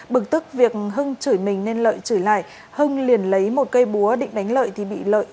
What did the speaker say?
bực tức việc hưng chửi mình nên lợi chửi lại hưng liền lấy một cây búa định đánh lợi thì bị lợi